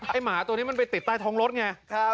หมาตัวนี้มันไปติดใต้ท้องรถไง